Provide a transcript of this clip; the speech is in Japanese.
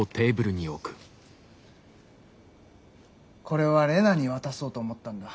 これはレナに渡そうと思ったんだ。